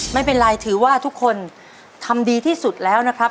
ไม่เป็นไรถือว่าทุกคนทำดีที่สุดแล้วนะครับ